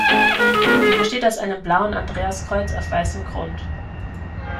Sie besteht aus einem blauen Andreaskreuz auf weißem Grund.